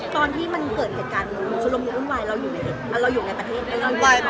ตอนที่มันเกิดเหตุการณ์สุรมงค์อุ่นวายเราอยู่ในประเทศไหม